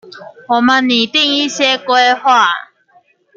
我們擬訂一些規劃